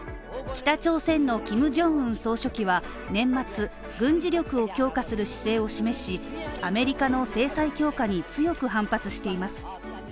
北朝鮮のキム・ジョンウン総書記は年末、軍事力を強化する姿勢を示し、アメリカの制裁強化に強く反発しています。